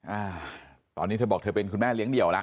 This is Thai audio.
อ่าตอนนี้เธอบอกเธอเป็นคุณแม่เลี้ยงเดี่ยวแล้ว